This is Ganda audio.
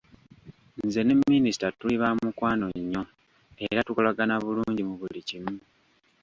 Nze ne minisita tuli baamukwano nnyo era tukolagana bulungi mu buli kimu.